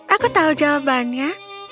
aku tahu jawabannya